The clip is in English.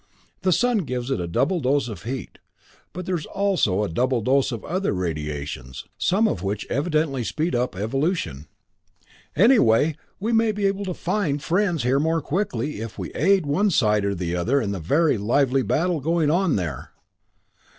The sun gives it a double dose of heat but also a double dose of other radiations some of which evidently speed up evolution. Anyway, we may be able to find friends here more quickly if we aid one side or the other in the very lively battle going on there.